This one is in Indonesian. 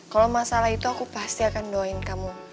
kalau masalah itu aku pasti akan doain kamu